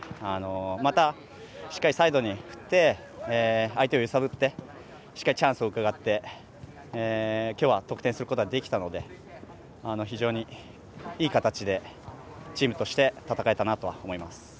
また、サイドに振って相手を揺さぶって、しっかりチャンスをうかがって今日は得点することができたので非常にいい形でチームとして戦えたと思います。